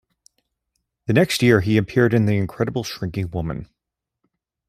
The next year, he appeared in "The Incredible Shrinking Woman".